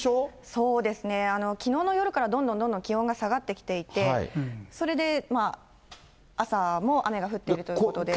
そうですね、きのうの夜からどんどんどんどん気温が下がってきていて、それで朝も雨が降っているということで。